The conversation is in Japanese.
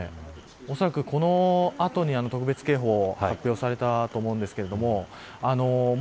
おそらくこの後に特別警報が発表されたと思うんですけれども。